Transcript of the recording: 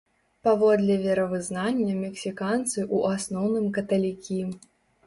Паводле веравызнання мексіканцы ў асноўным каталікі.